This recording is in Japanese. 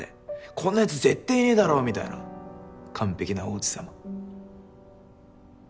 こんなやつぜってぇいねぇだろみたいな完璧な王子様。